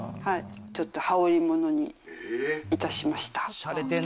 ちょっと羽織りものにいたしました。